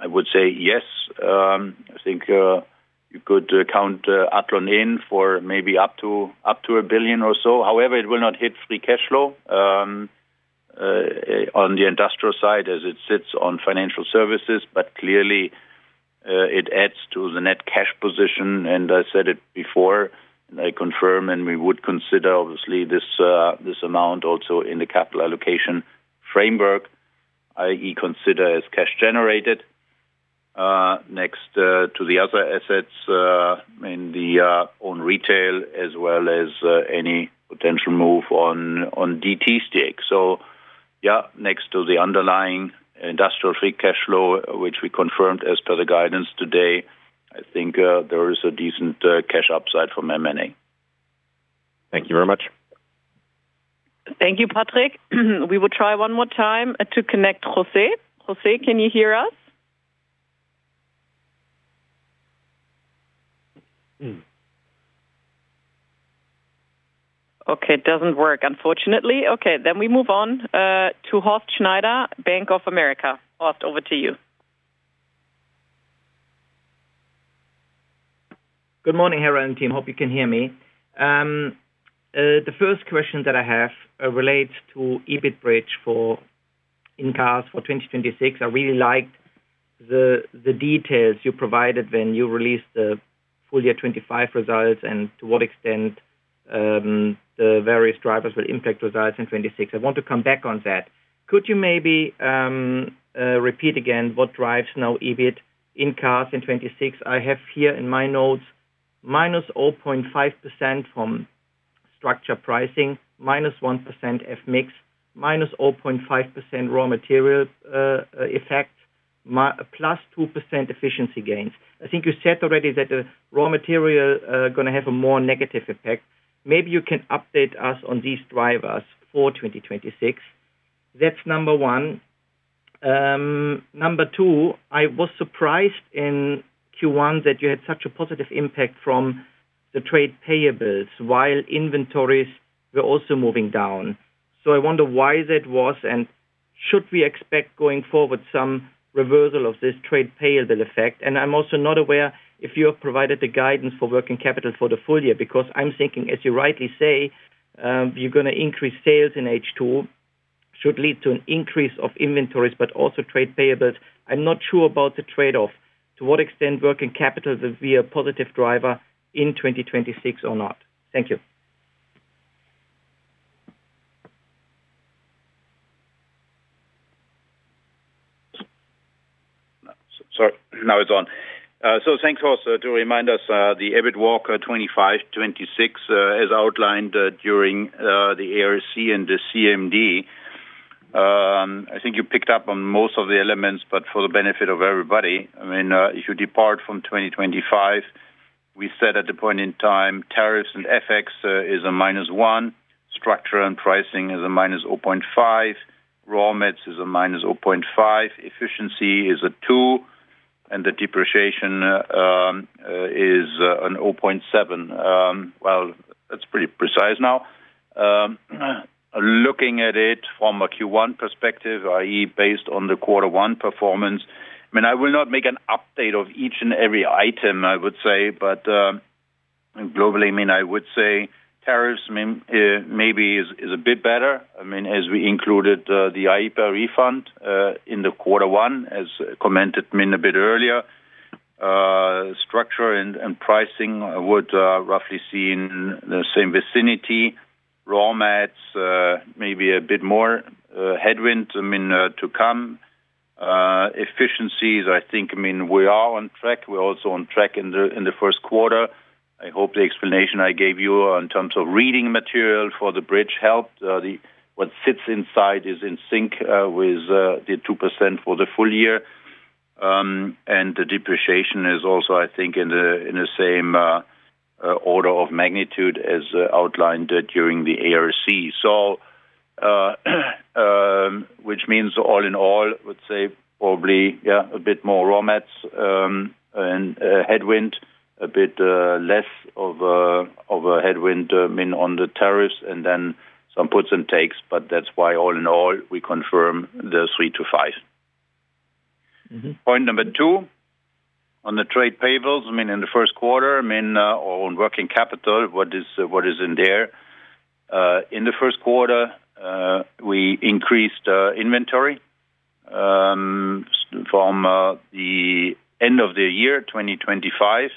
I would say yes. I think you could count Athlon in for maybe up to 1 billion or so. However, it will not hit free cash flow on the industrial side as it sits on financial services. Clearly, it adds to the net cash position. I said it before, I confirm, we would consider obviously this amount also in the capital allocation framework, i.e. consider as cash generated, next, to the other assets, in the own retail as well as any potential move on DT stake. Next to the underlying industrial free cash flow, which we confirmed as per the guidance today, I think, there is a decent cash upside from M&A. Thank you very much. Thank you, Patrick. We will try one more time to connect José. José, can you hear us? Okay. It doesn't work, unfortunately. Okay, we move on to Horst Schneider, Bank of America. Horst, over to you. Good morning, Harald and team. Hope you can hear me. The first question that I have relates to EBIT bridge for in cars for 2026. I really like the details you provided when you released the full year 2025 results and to what extent the various drivers will impact results in 2026. I want to come back on that. Could you maybe repeat again what drives now EBIT in cars in 2026? I have here in my notes -0.5% from structure pricing, -1% FX, gains. I think you said already that the raw material gonna have a more negative effect. Maybe you can update us on these drivers for 2026. That's number one. Number two, I was surprised in Q1 that you had such a positive impact from the trade payables while inventories were also moving down. I wonder why that was and should we expect going forward some reversal of this trade payable effect? I'm also not aware if you have provided the guidance for working capital for the full year, because I'm thinking, as you rightly say, you're gonna increase sales in H2, should lead to an increase of inventories, but also trade payables. I'm not sure about the trade-off, to what extent working capital will be a positive driver in 2026 or not. Thank you. Sorry, now it's on. Thanks, Horst. To remind us, the EBIT walk 2025, 2026, as outlined during the ARC and the CMD, I think you picked up on most of the elements, but for the benefit of everybody, I mean, if you depart from 2025, we said at the point in time, tariffs and FX, is -1%, structure and pricing is -0.5%, raw mats is -0.5%, efficiency is 2%, and the depreciation is 0.7%. Well, that's pretty precise now. Looking at it from a Q1 perspective, i.e. based on the quarter one performance, I mean, I will not make an update of each and every item, I would say, but globally, I mean, I would say tariffs, I mean, maybe is a bit better. I mean, as we included the IPAC refund in the quarter one, as commented, I mean, a bit earlier. Structure and pricing, I would roughly see in the same vicinity. Raw mats, maybe a bit more headwind, I mean, to come. Efficiencies, I think, I mean, we are on track. We're also on track in the first quarter. I hope the explanation I gave you on terms of reading material for the bridge helped. The what sits inside is in sync with the 2% for the full year. The depreciation is also, I think, in the same order of magnitude as outlined during the ARC. Which means all in all, I would say probably, yeah, a bit more raw mats, and headwind, a bit less of a headwind in on the tariffs, and then some puts and takes, but that's why all in all, we confirm the 3%-5%. Mm-hmm. Point number two, on the trade payables, in the first quarter, on working capital, what is in there. In the first quarter, we increased inventory from the end of the year, 2025,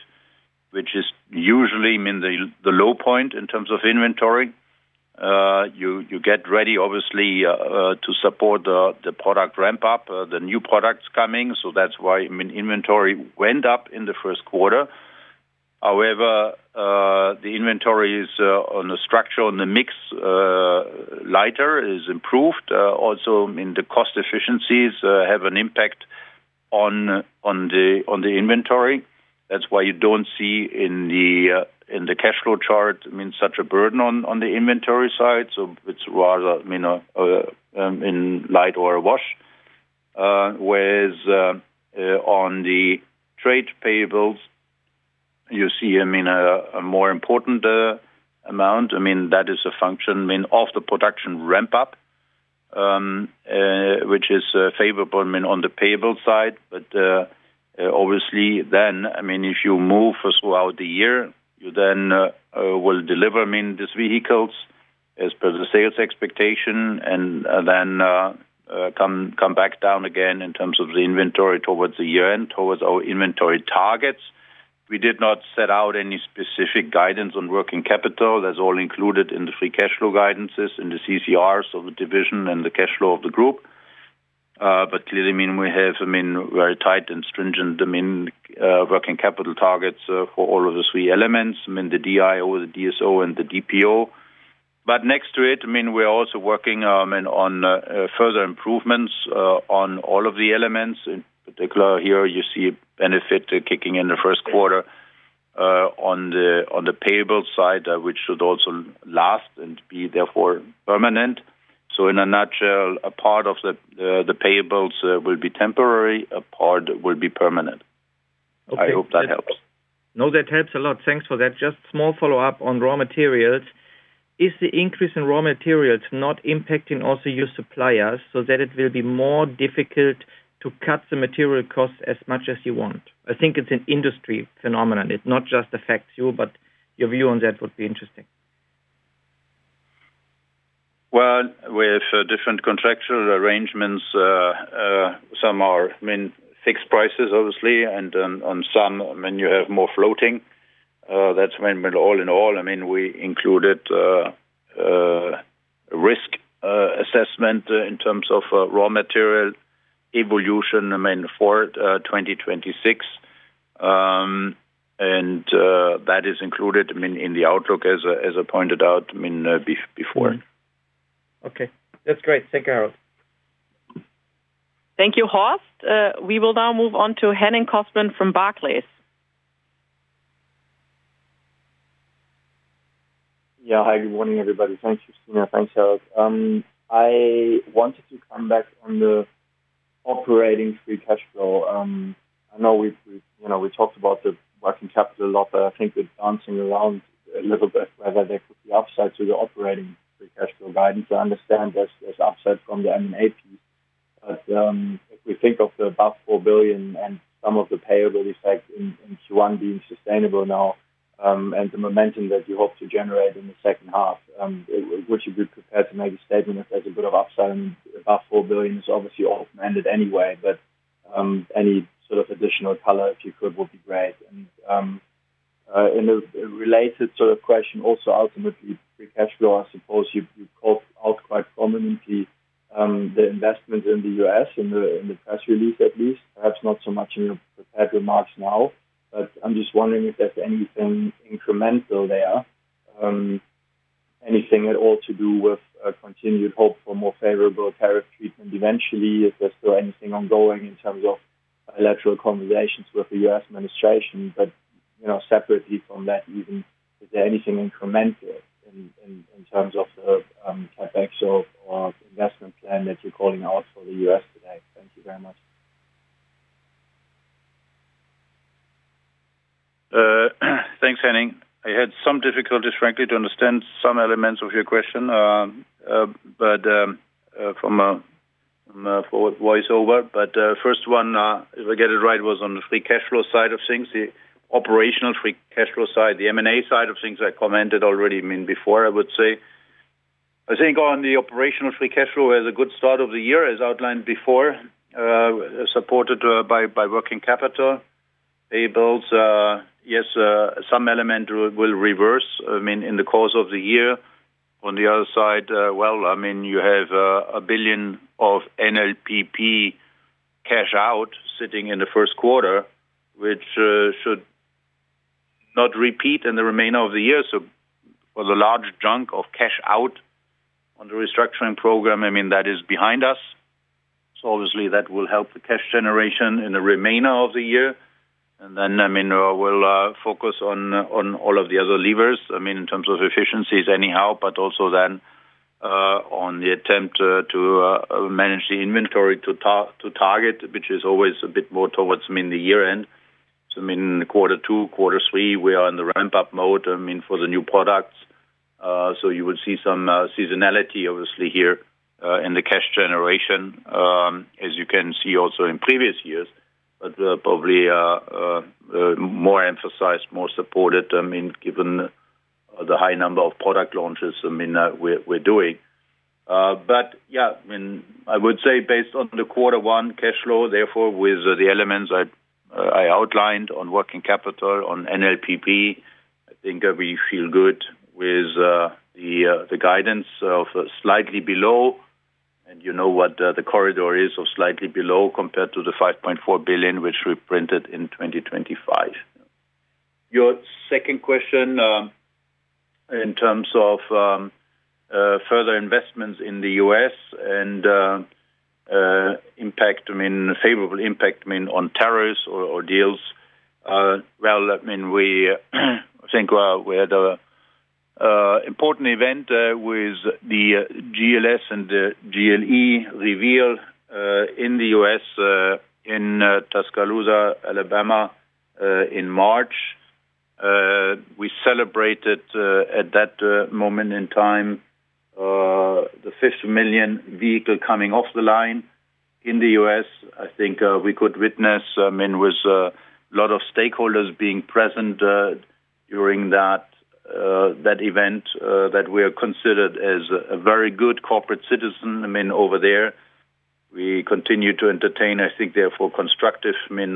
which is usually the low point in terms of inventory. You get ready obviously to support the product ramp up, the new products coming, that's why inventory went up in the first quarter. However, the inventories, on the structure, on the mix, lighter is improved. Also, the cost efficiencies have an impact on the inventory. That's why you don't see in the cash flow chart such a burden on the inventory side. It's rather, I mean, in light or a wash. Whereas, on the trade payables, you see, I mean, a more important amount. I mean, that is a function, I mean, of the production ramp up, which is favorable, I mean, on the payable side. Obviously, then, I mean, if you move throughout the year, you then will deliver, I mean, these vehicles as per the sales expectation and then come back down again in terms of the inventory towards the year-end, towards our inventory targets. We did not set out any specific guidance on working capital. That's all included in the free cash flow guidances, in the CCRs of the division and the cash flow of the group. Clearly, I mean, we have, I mean, very tight and stringent, I mean, working capital targets for all of the three elements. I mean, the DIO, the DSO and the DPO. Next to it, I mean, we're also working and on further improvements on all of the elements. In particular here, you see a benefit to kicking in the first quarter on the, on the payables side, which should also last and be therefore permanent. In a nutshell, a part of the payables will be temporary, a part will be permanent. Okay. I hope that helps. No, that helps a lot. Thanks for that. Small follow-up on raw materials. Is the increase in raw materials not impacting also your suppliers so that it will be more difficult to cut the material costs as much as you want? I think it's an industry phenomenon. It not just affects you, but your view on that would be interesting. With different contractual arrangements, some are, I mean, fixed prices obviously, and on some, I mean, you have more floating. That's when, I mean, all in all, I mean, we included risk assessment in terms of raw material evolution, I mean, for 2026. That is included, I mean, in the outlook as I pointed out, I mean, before. Mm-hmm. Okay. That's great. Thank you, Harald. Thank you, Horst. We will now move on to Henning Cosman from Barclays. Yeah. Hi, good morning, everybody. Thanks, Christina. Thanks, Harald. I wanted to come back on the operating free cash flow. I know we've, you know, we talked about the working capital a lot, but I think we're dancing around a little bit whether there could be upside to the operating free cash flow guidance. I understand there's upside from the M&A piece. If we think of the above 4 billion and some of the payables effect in Q1 being sustainable now, and the momentum that you hope to generate in the second half, would you be prepared to make a statement if there's a bit of upside? I mean, above 4 billion is obviously all demanded anyway, any sort of additional color, if you could, would be great. In a related sort of question also ultimately free cash flow, I suppose you called out quite prominently, the investment in the U.S. in the, in the press release at least, perhaps not so much in your prepared remarks now. I'm just wondering if there's anything incremental there, anything at all to do with a continued hope for more favorable tariff treatment eventually. If there's still anything ongoing in terms of electoral conversations with the U.S. administration. You know, separately from that even, is there anything incremental in, in terms of CapEx or investment plan that you're calling out for the U.S. today? Thank you very much. Thanks, Henning. I had some difficulties, frankly, to understand some elements of your question from voice over. First one, if I get it right, was on the free cash flow side of things. The operational free cash flow side. The M&A side of things I commented already, I mean, before, I would say. I think on the operational free cash flow, it was a good start of the year as outlined before, supported by working capital. Payables, yes, some element will reverse, I mean, in the course of the year. On the other side, well, I mean, you have 1 billion of NLPP cash out sitting in the first quarter, which should not repeat in the remainder of the year. For the large chunk of cash out on the restructuring program, I mean, that is behind us. Obviously, that will help the cash generation in the remainder of the year. Then, I mean, we'll focus on all of the other levers, I mean, in terms of efficiencies anyhow, but also then on the attempt to manage the inventory to target, which is always a bit more towards, I mean, the year-end. I mean, quarter two, quarter three, we are in the ramp-up mode, I mean, for the new products. So you would see some seasonality obviously here in the cash generation, as you can see also in previous years, but probably more emphasized, more supported, I mean, given the high number of product launches, I mean, we're doing. I would say based on the Q1 cash flow, therefore, with the elements I outlined on working capital on NLPP, I think we feel good with the guidance of slightly below, and you know what, the corridor is of slightly below compared to the 5.4 billion, which we printed in 2025. Your second question, in terms of further investments in the U.S. and impact, I mean, favorable impact, I mean, on tariffs or deals. Well, I mean, we think we had a important event with the GLS and the GLE reveal in the U.S., in Tuscaloosa, Alabama, in March. We celebrated at that moment in time the fifth million vehicle coming off the line in the U.S. I think, we could witness, I mean, with a lot of stakeholders being present, during that event, that we are considered as a very good corporate citizen. I mean, over there, we continue to entertain, I think, therefore constructive, I mean,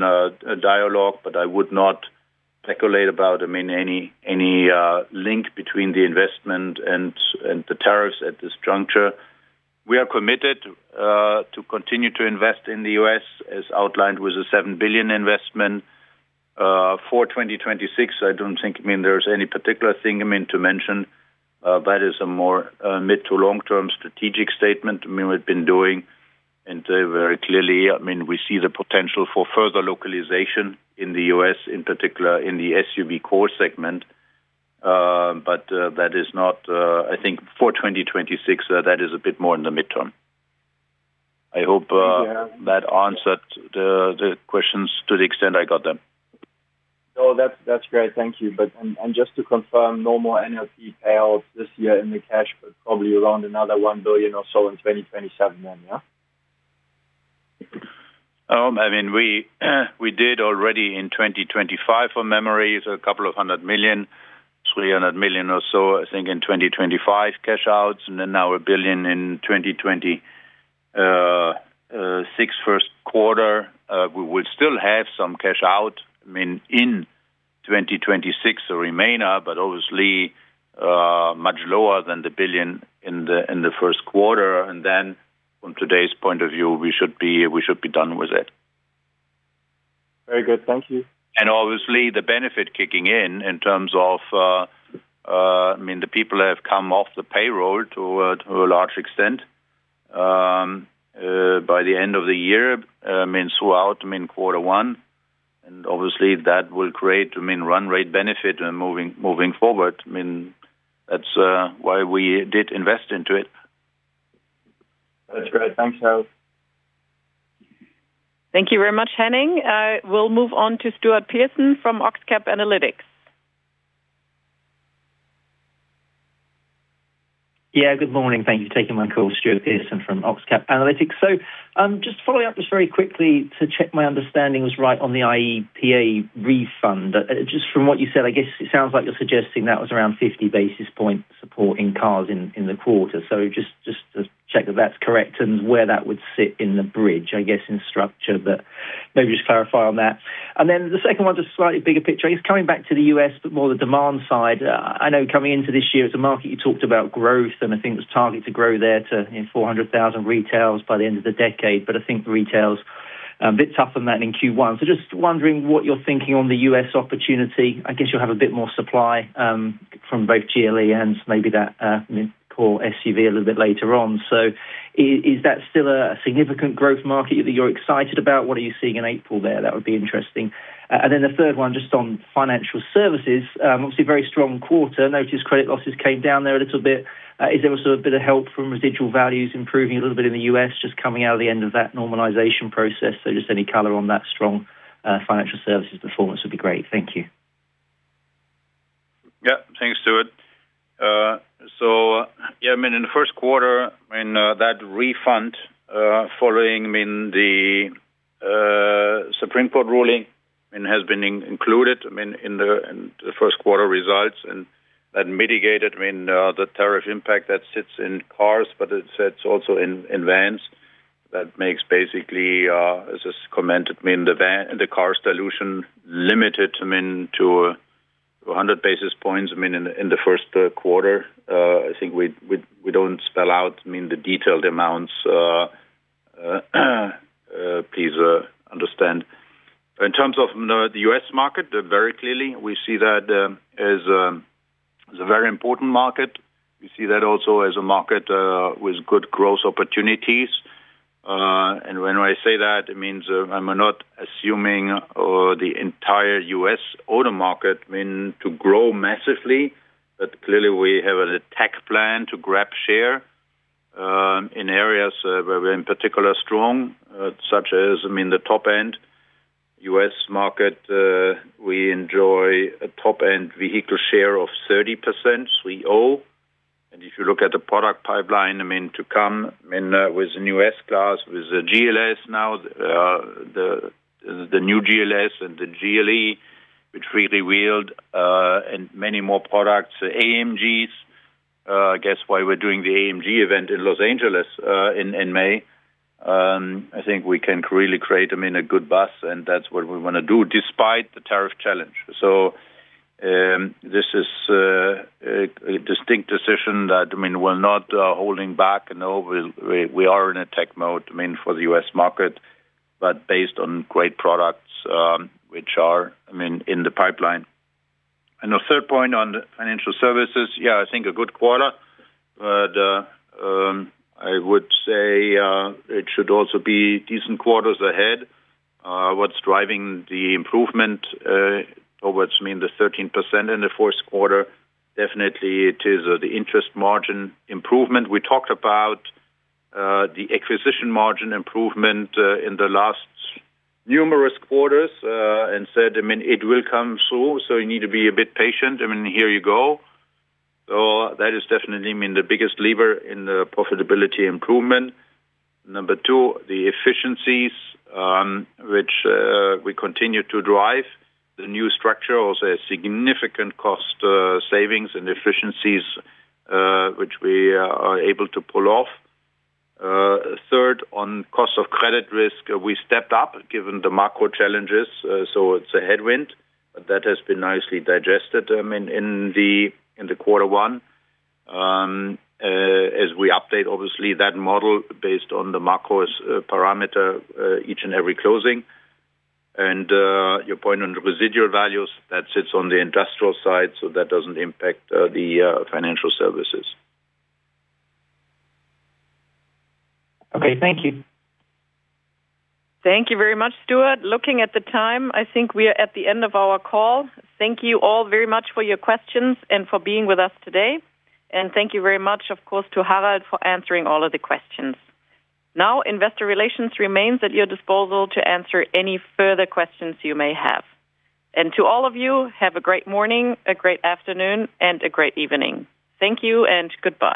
dialogue, but I would not speculate about, I mean, any, link between the investment and the tariffs at this juncture. We are committed, to continue to invest in the U.S. as outlined with the 7 billion investment, for 2026. I don't think, I mean, there's any particular thing I mean to mention. That is a more, mid to long-term strategic statement, I mean, we've been doing. Very clearly, I mean, we see the potential for further localization in the U.S., in particular in the SUV core segment. That is not, I think for 2026, that is a bit more in the midterm. I hope that answered the questions to the extent I got them. No, that's great. Thank you. Just to confirm, no more NLP payouts this year in the cash, probably around another 1 billion or so in 2027. I mean, we did already in 2025 from memory is 200 million, 300 million or so, I think in 2025 cash outs, and then now 1 billion in 2026 first quarter. We will still have some cash out, I mean, in 2026 or remainder, but obviously much lower than 1 billion in the first quarter. From today's point of view, we should be done with it. Very good. Thank you. Obviously, the benefit kicking in terms of, I mean, the people have come off the payroll to a large extent, by the end of the year, throughout quarter one. Obviously, that will create, I mean, run rate benefit, moving forward. I mean, that's why we did invest into it. That's great. Thanks, Harald. Thank you very much, Henning. We'll move on to Stuart Pearson from Oxcap Analytics. Good morning. Thank you for taking my call. Stuart Pearson from Oxcap. Following up just very quickly to check my understanding was right on the IPAC refund. Just from what you said, I guess it sounds like you're suggesting that was around 50 basis point support in cars in the quarter. Just to check that that's correct and where that would sit in the bridge, I guess, in structure. Maybe just clarify on that. The second one, just slightly bigger picture. I guess coming back to the U.S., but more the demand side. I know coming into this year as a market, you talked about growth, and I think it was targeted to grow there to, you know, 400,000 retails by the end of the decade. I think retail's a bit tougher than that in Q1. Just wondering what you're thinking on the U.S. opportunity. I guess you'll have a bit more supply from both GLE and maybe that core SUV a little bit later on. Is that still a significant growth market that you're excited about? What are you seeing in April there? That would be interesting. Then the third one, just on financial services. Obviously very strong quarter. Noticed credit losses came down there a little bit. Is there also a bit of help from residual values improving a little bit in the U.S. just coming out of the end of that normalization process? Just any color on that strong financial services performance would be great. Thank you. Thanks, Stuart. I mean, in the first quarter, I mean, that refund, following, I mean, the Supreme Court ruling and has been included, I mean, in the first quarter results, and that mitigated, I mean, the tariff impact that sits in cars, but it sits also in vans. That makes basically, as is commented, I mean, the cars dilution limited, I mean, to 100 basis points, I mean, in the first quarter. I think we, we don't spell out, I mean, the detailed amounts, please understand. In terms of the U.S. market, very clearly we see that, as a very important market. We see that also as a market with good growth opportunities. When I say that, it means I'm not assuming the entire U.S. auto market meant to grow massively, but clearly we have an attack plan to grab share in areas where we're in particular strong, such as the top end. U.S. market, we enjoy a top-end vehicle share of 30% we owe. If you look at the product pipeline to come with the new S-Class, with the GLS now, the new GLS and the GLE, which really wheeled, and many more products, the AMGs. I guess, why we're doing the AMG event in Los Angeles in May. I think we can really create a good buzz, and that's what we wanna do despite the tariff challenge. This is a distinct decision that, I mean, we're not holding back. No, we are in attack mode, I mean, for the U.S. market, but based on great products, which are, I mean, in the pipeline. The third point on financial services, yeah, I think a good quarter. I would say, it should also be decent quarters ahead. What's driving the improvement, or what's, I mean, the 13% in the fourth quarter, definitely it is the interest margin improvement. We talked about the acquisition margin improvement in the last numerous quarters, and said, I mean, it will come soon, so you need to be a bit patient. I mean, here you go. That is definitely, I mean, the biggest lever in the profitability improvement. Number two, the efficiencies, which we continue to drive. The new structure also has significant cost savings and efficiencies, which we are able to pull off. Third, on cost of credit risk, we stepped up given the macro challenges, so it's a headwind. That has been nicely digested, I mean, in the quarter one. As we update obviously that model based on the macros parameter each and every closing. Your point on residual values, that sits on the industrial side, so that doesn't impact the financial services. Okay. Thank you. Thank you very much, Stuart. Looking at the time, I think we are at the end of our call. Thank you all very much for your questions and for being with us today. Thank you very much, of course, to Harald for answering all of the questions. Investor Relations remains at your disposal to answer any further questions you may have. To all of you, have a great morning, a great afternoon, and a great evening. Thank you and goodbye.